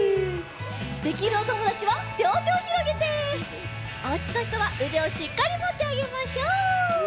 できるおともだちはりょうてをひろげておうちのひとはうでをしっかりもってあげましょう。